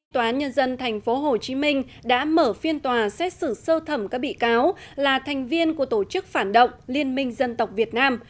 tòa án nhân dân tp hcm đã mở phiên tòa xét xử sâu thẩm các bị cáo là thành viên của tổ chức phản động liên minh dân tộc việt nam